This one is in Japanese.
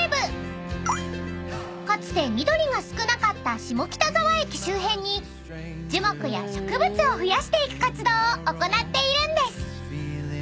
［かつて緑が少なかった下北沢駅周辺に樹木や植物を増やしていく活動を行っているんです］